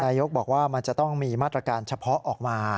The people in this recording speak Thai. ยกบอกว่ามันจะต้องมีมาตรการเฉพาะออกมา